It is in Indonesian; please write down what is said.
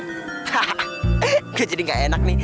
hahaha gue jadi gak enak nih